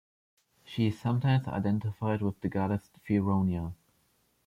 She is sometimes identified with the goddess Feronia.